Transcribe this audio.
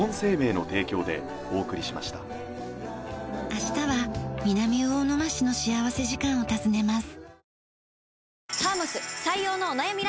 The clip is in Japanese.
明日は南魚沼市の幸福時間を訪ねます。